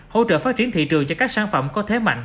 hỗ trợ phát triển thị trường cho các sản phẩm có thế mạnh